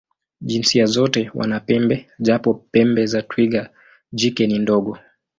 Jinsia zote wana pembe, japo pembe za twiga jike ni ndogo.